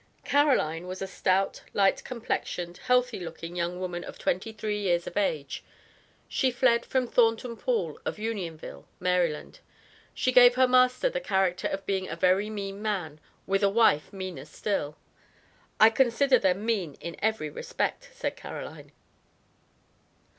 Caroline was a stout, light complexioned, healthy looking young woman of twenty three years of age. She fled from Thornton Poole, of Unionville, Md. She gave her master the character of being a "very mean man; with a wife meaner still," "I consider them mean in every respect," said Caroline.